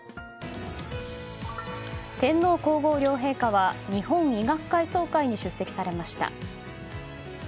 天皇・皇后両陛下は日本医学会総会に出席されました。